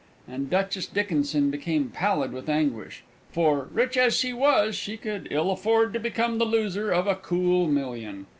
and Duchess Dickinson became pallid with anguish, for, rich as she was, she could ill afford to become the loser of a cool million.